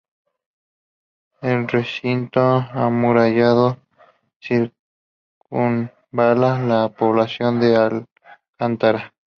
El recinto amurallado circunvala la población de Alcántara.